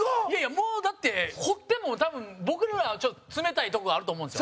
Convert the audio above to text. もう、だって掘っても、多分僕らは、ちょっと冷たいところがあると思うんですよ。